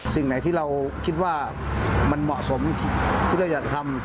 สิ่งไหนที่เราคิดว่ามันเหมาะสมที่เราอยากจะทำ